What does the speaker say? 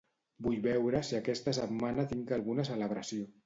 Vull veure si aquesta setmana tinc alguna celebració.